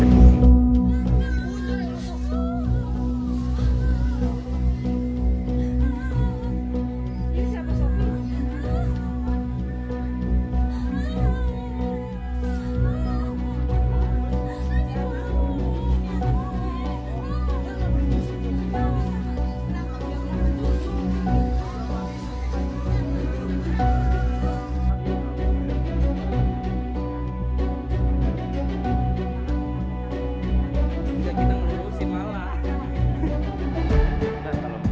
ibu ingat air usok